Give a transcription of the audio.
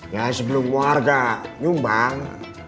ya sebelum warga nyumbang